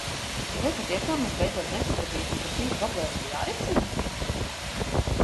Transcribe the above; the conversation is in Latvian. Vai patiešām mēs beidzot nesapratīsim, ka šī problēma ir jārisina?